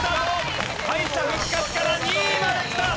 敗者復活から２位まできた！